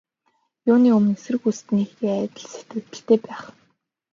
Юуны өмнө эсрэг хүнтэйгээ адил сэтгэгдэлтэй байх.